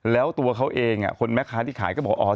แล้วตัวเขาเองคนแม่ค้าที่ขายก็บอกอ๋อ